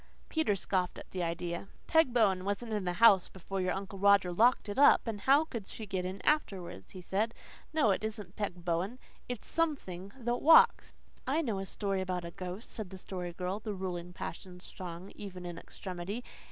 Peter scoffed at the idea. "Peg Bowen wasn't in the house before your Uncle Roger locked it up, and how could she get in afterwards?" he said. "No, it isn't Peg Bowen. It's SOMETHING that WALKS." "I know a story about a ghost," said the Story Girl, the ruling passion strong even in extremity.